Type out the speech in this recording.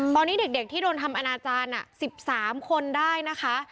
ตอนนี้เด็กที่โดนทำอนาจารย์๑๓คนได้นะคะ